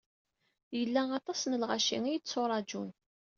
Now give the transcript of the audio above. Yella aṭas n lɣaci i yettṛaǧun.